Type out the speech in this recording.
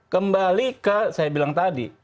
kembali ke saya bilang tadi